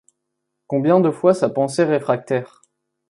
Combien de fois sa pensée réfractaire